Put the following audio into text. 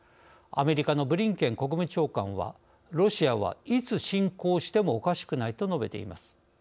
アメリカのブリンケン国務長官は「ロシアはいつ侵攻してもおかしくない」と述べています。